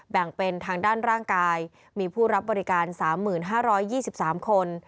แบ่งเป็นทางด้านร่างกายมีผู้รับบริการ๓๕๒๓คน